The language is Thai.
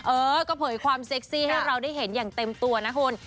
เออก็เผยความเซ็กซี่ให้เราได้เห็นอย่างเต็มตัวนะคุณ